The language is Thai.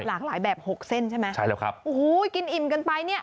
หลากหลายแบบหกเส้นใช่ไหมใช่แล้วครับโอ้โหกินอิ่มกันไปเนี่ย